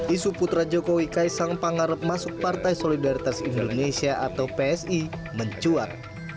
isu putra jokowi kaisang pangarep masuk partai solidaritas indonesia atau psi mencuat